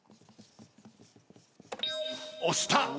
押した！